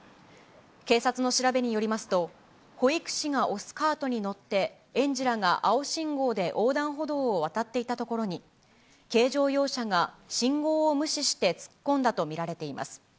警察の調べによりますと、保育士が押すカートに乗って、園児らが青信号で横断歩道を渡っていたところに、軽乗用車が信号を無視して突っ込んだと見られています。